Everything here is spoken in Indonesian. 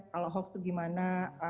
kalau hoax tuh gimana